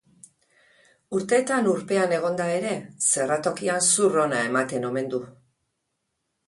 Urteetan urpean egonda ere, zerratokian zur ona ematen omen du.